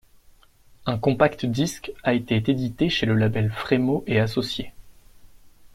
Un compact disque a été édité chez le label Frémeaux & Associés.